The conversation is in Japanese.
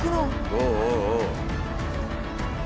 うんうんうん。